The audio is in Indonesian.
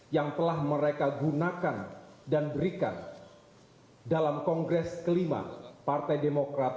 yang telah mereka gunakan dan berikan dalam kongres kelima partai demokrat